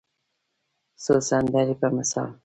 څو سندرې په مثال